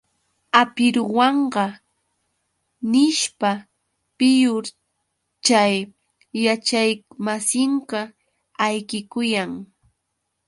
¡Hapiruwanqa!, nishpa, piyur chay yachaqmasinqa ayqikuyan.